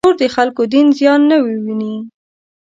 نور د خلکو دین زیان نه وویني.